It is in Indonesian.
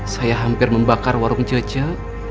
saya hampir membakar warung joce